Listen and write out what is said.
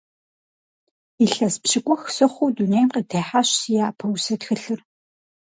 Илъэс пщыкӏух сыхъуу дунейм къытехьащ си япэ усэ тхылъыр.